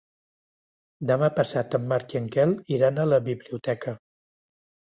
Demà passat en Marc i en Quel iran a la biblioteca.